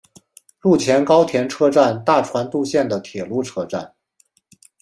陆前高田车站大船渡线的铁路车站。